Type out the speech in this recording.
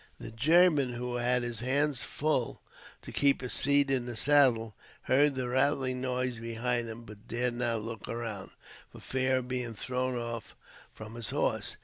The German, who had his hands full to keep his seat in the saddle, heard the rattling noise behind him, but dared not look around, for fear of being thrown off from his horse.